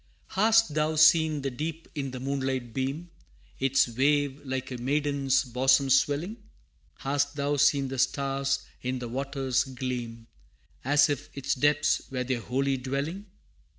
[A] III. Hast thou seen the deep in the moonlight beam, Its wave like a maiden's bosom swelling? Hast thou seen the stars in the water's gleam, As if its depths were their holy dwelling?